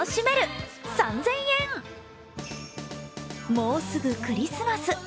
もうすぐクリスマス。